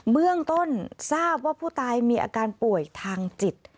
เบื้องต้นทราบว่าผู้ตายมีอาการป่วยทางจิต